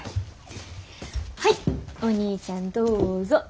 はいお兄ちゃんどうぞ。